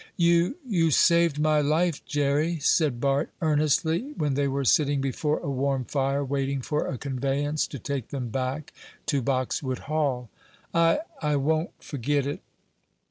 "You you saved my life, Jerry," said Bart, earnestly, when they were sitting before a warm fire, waiting for a conveyance to take them back to Boxwood Hall. "I I won't forget it."